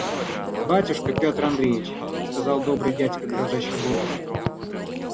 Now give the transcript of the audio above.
– Батюшка Петр Андреич! – сказал добрый дядька дрожащим голосом.